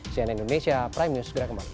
cnn indonesia prime news segera kembali